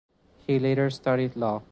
He later studied Law.